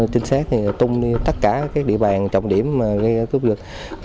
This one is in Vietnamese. trinh sát thì tung đi tất cả các địa bàn trọng điểm gây ra cướp lực